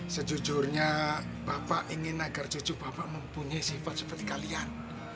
sejujurnya bapak ingin agar cucu bapak mempunyai sifat seperti kalian